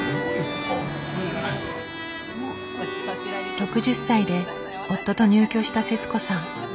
６０歳で夫と入居した節子さん。